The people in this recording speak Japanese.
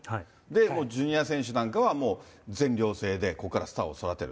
もうジュニア選手なんかはもう、全寮制でここからスターを育てる。